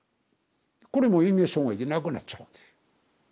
これも嚥下障害で亡くなっちゃうんです。